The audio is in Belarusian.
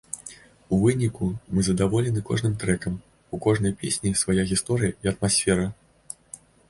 У выніку мы задаволены кожным трэкам, у кожнай песні свая гісторыя і атмасфера.